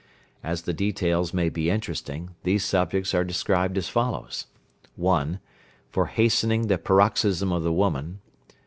As the details may be interesting, these subjects are described as follows: 1. For hastening the paroxysm of the woman.